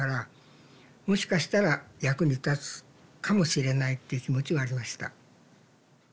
もしかしたら役に立つかもしれないっていう気持ちはありました。